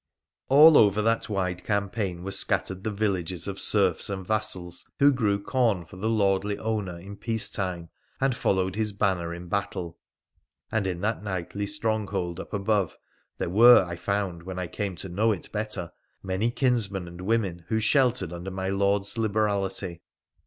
All over that wide campaign were scattered the villages of serfs and vassals who grew corn for the lordly owner in peace time, and followed his banner in battle. And in that knightly stronghold up above there were, I found when I came to know it better, many kinsmen and women who sheltered under my Lord's liberality.